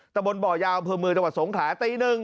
ตะบนบ่อยาวเผือมือจังหวัดสงขาตี๑